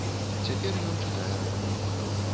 Цяпер ён чытае рэп.